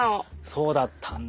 そうだったんだ。